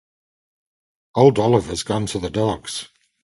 Old Oliver's gone to the dogs.